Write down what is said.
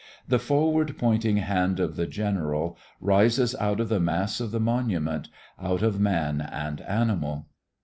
The forward pointing hand of the General rises out of the mass of the monument, out of man and animal.